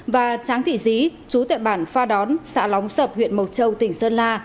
giáng thị dí chú tải bản pha đón xã lóng sập huyện mộc châu tỉnh sơn la